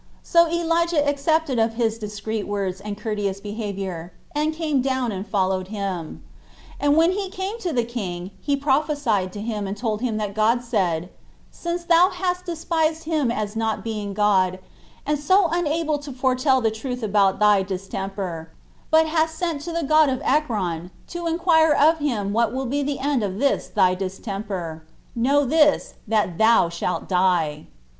So Elijah accepted of his discreet words and courteous behavior, and came down and followed him. And when he came to the king, he prophesied to him and told him that God said, "Since thou hast despised him as not being God, and so unable to foretell the truth about thy distemper, but hast sent to the god of Ekron to inquire of him what will be the end of this thy distemper, know this, that thou shalt die."